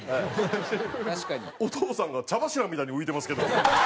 お父さんが茶柱みたいに浮いてますけど。